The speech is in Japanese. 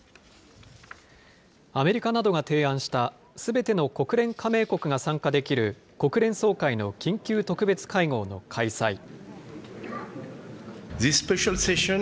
アメリカなどが提案したすべての国連加盟国が参加できる国連総会の緊急特別会合の開催。